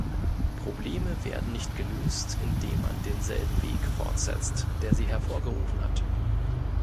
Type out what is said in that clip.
Probleme werden nicht gelöst, indem man denselben Weg fortsetzt, der sie hervorgerufen hat.